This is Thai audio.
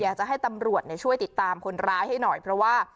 อยากจะให้ตำรวจช่วยติดตามคนร้ายให้หน่อยเพราะว่า